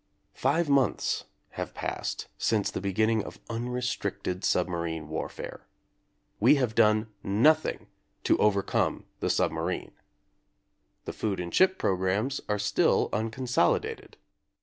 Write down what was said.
Five months have passed since the be ginning of unrestricted submarine warfare. We have done nothing to overcome the submarine. The food and ship programmes are still uncon solidated.